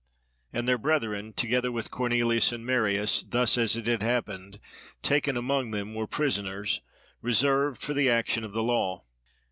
—and their brethren, together with Cornelius and Marius, thus, as it had happened, taken among them, were prisoners, reserved for the action of the law.